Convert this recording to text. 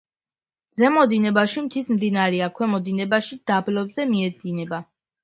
ზემო დინებაში მთის მდინარეა, ქვემო დინებაში დაბლობზე მიედინება.